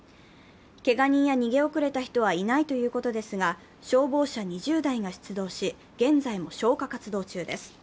けが人や逃げ遅れた人はいないとのことですが、消防車２０台が出動し、現在も消火活動中です。